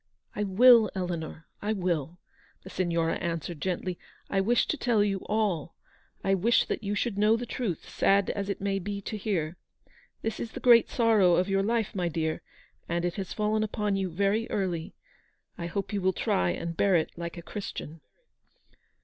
u I will, Eleanor, I will," the Signora answered gently. " I wish to tell you all. I wish that you should know the truth, sad as it may be to hear. This is the great sorrow of your life, my dear, and it has fallen upon you very early. I hope you will try and bear it like a Christian."